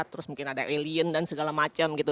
terus mungkin ada willion dan segala macam gitu